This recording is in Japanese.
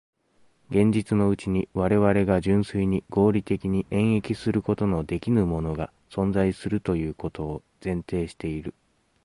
現実のうちに我々が純粋に合理的に演繹することのできぬものが存在するということを前提している。